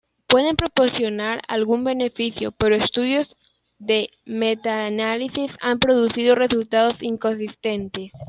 Pueden proporcionar algún beneficio pero estudios de metaanálisis han producido resultados inconsistentes.